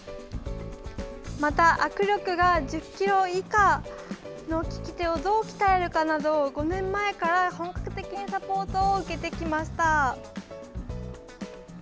また、握力が１０ｋｇ以下の利き手をどう鍛えるかなど５年前から本格的にサポートを受けてきました。